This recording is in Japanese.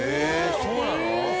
そうなの？